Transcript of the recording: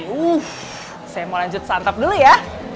uh saya mau lanjut santap dulu ya